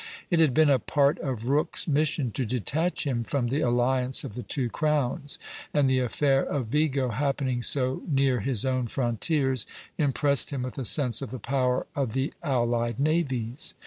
It had been a part of Rooke's mission to detach him from the alliance of the two crowns; and the affair of Vigo, happening so near his own frontiers, impressed him with a sense of the power of the allied navies.